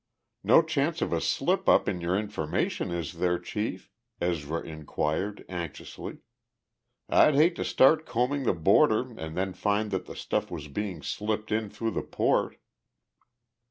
"No chance of a slip up in your information, is there, Chief?" Ezra inquired, anxiously. "I'd hate to start combing the border and then find that the stuff was being slipped in through the port."